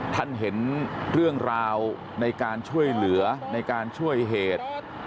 ท่านเห็นเรื่องราวในการช่วยเหลือในการช่วยเหตุ